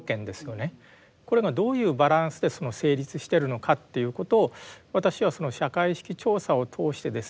これがどういうバランスで成立してるのかっていうことを私はその社会意識調査を通してですね